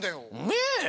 ねえ！